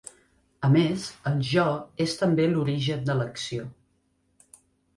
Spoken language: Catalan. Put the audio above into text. A més, el jo és també l'origen de l'acció.